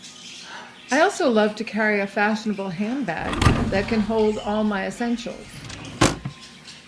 I also love to carry a fashionable handbag that can hold all my essentials.